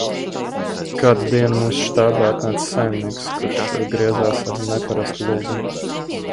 Kādu dienu mūsu štābā atnāca saimnieks, kurš griezās ar neparastu lūgumu.